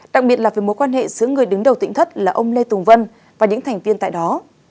đặc biệt là về mối quan hệ giữa người đứng đầu tỉnh thất là ông lê tùng vân và những thành viên tại đó